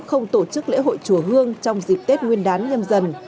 không tổ chức lễ hội chùa hương trong dịp tết nguyên đán nhâm dần